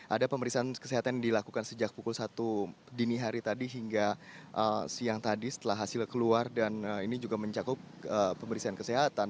ada pemeriksaan kesehatan yang dilakukan sejak pukul satu dini hari tadi hingga siang tadi setelah hasil keluar dan ini juga mencakup pemeriksaan kesehatan